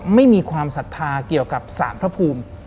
ไม่มีความศรัทธาเกี่ยวกับสารพระภูมิ